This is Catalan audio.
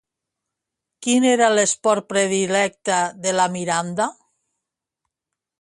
Quin era l'esport predilecte de la Miranda?